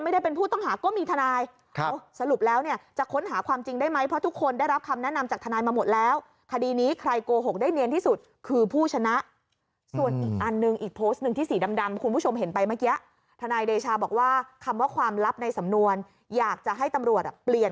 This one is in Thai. ไม่ได้เป็นผู้ต้องหาก็มีทนายสรุปแล้วเนี่ยจะค้นหาความจริงได้ไหมเพราะทุกคนได้รับคำแนะนำจากทนายมาหมดแล้วคดีนี้ใครโกหกได้เนียนที่สุดคือผู้ชนะส่วนอีกอันหนึ่งอีกโพสต์หนึ่งที่สีดำคุณผู้ชมเห็นไปเมื่อกี้ทนายเดชาบอกว่าคำว่าความลับในสำนวนอยากจะให้ตำรวจอ่ะเปลี่ยน